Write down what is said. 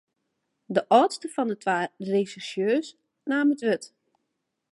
De âldste fan de twa resjersjeurs naam it wurd.